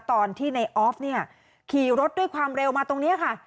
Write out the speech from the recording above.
ตอนที่ในออฟเนี่ยขี่รถด้วยความเร็วมาตรงนี้ค่ะ